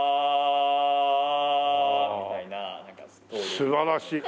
素晴らしい。